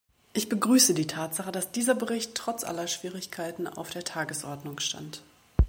Ich begrüße die Tatsache, dass dieser Bericht trotz aller Schwierigkeiten auf der Tagesordnung stand.